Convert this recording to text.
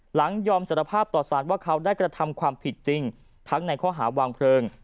ยอมสารภาพต่อสารว่าเขาได้กระทำความผิดจริงทั้งในข้อหาวางเพลิง